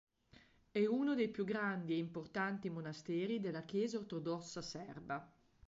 È uno dei più grandi e importanti monasteri della Chiesa ortodossa serba.